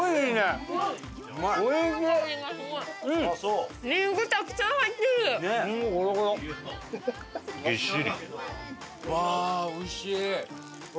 うわーおいしい！